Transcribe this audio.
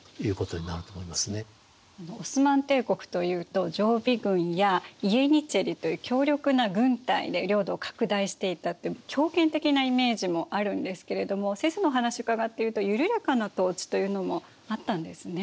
オスマン帝国というと常備軍やイエニチェリという強力な軍隊で領土を拡大していったって強権的なイメージもあるんですけれども先生のお話伺っていると緩やかな統治というのもあったんですね。